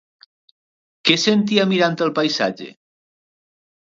Què sentia mirant el paisatge?